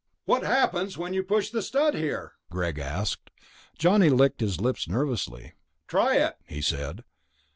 "What happens when you push the stud here?" Greg asked. Johnny licked his lips nervously. "Try it," he said.